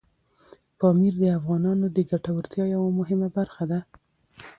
پامیر د افغانانو د ګټورتیا یوه مهمه برخه ده.